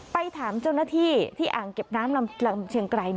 ไปถามเจ้าหน้าที่ที่อ่างเก็บน้ำลำเชียงไกร